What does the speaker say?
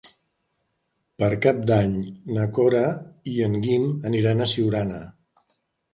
Per Cap d'Any na Cora i en Guim aniran a Siurana.